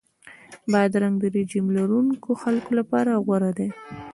بادرنګ د رژیم لرونکو خلکو لپاره غوره دی.